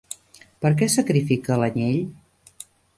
Per què sacrifica l'anyell?